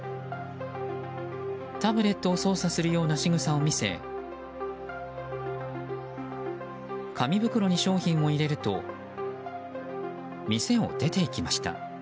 タブレットを操作するようなしぐさを見せ紙袋に商品を入れると店を出ていきました。